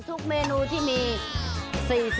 ทุกเมนูที่มี๔๐